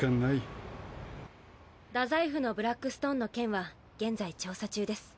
太宰府のブラックストーンの件は現在調査中です。